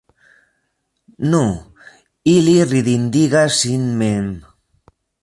nu, ili ridindigas sin mem.